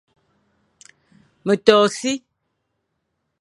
Me to e si,